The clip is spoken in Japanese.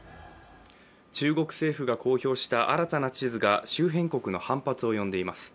中国政府が公表した新たな地図が周辺国の反発を呼んでいます。